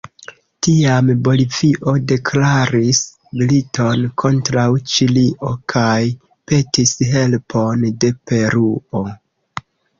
Tiam Bolivio deklaris militon kontraŭ Ĉilio kaj petis helpon de Peruo.